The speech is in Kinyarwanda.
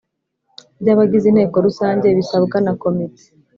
by abagize Inteko rusange bisabwa na Komite